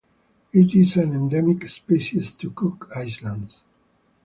It is an endemic species to Cook Islands.